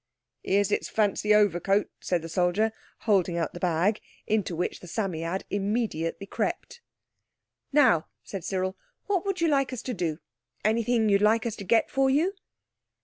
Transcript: "Here's its fancy overcoat," said the soldier, holding out the bag, into which the Psammead immediately crept. "Now," said Cyril, "what would you like us to do? Anything you'd like us to get for you?"